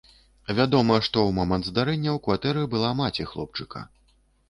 Вядома, што ў момант здарэння ў кватэры была маці хлопчыка.